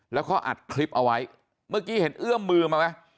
แล้วเขาอัดคลิปเอาไว้เมื่อกี้เห็นเอื้อมมือมาไหม